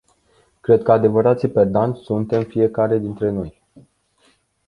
Cred că adevărații perdanți suntem fiecare dintre noi.